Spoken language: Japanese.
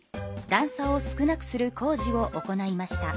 だん差を少なくする工事を行いました。